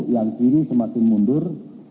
yang kiri semakin mundur